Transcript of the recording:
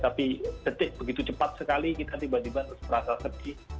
tapi detik begitu cepat sekali kita tiba tiba merasa sedih